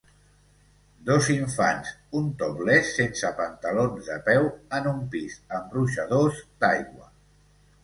Dos infants un topless sense pantalons de peu en un pis amb ruixadors d'aigua